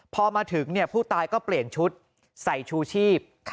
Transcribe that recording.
พอมาถึงผู้ตายก็เปลี่ยนชุดใส่ชูชีพ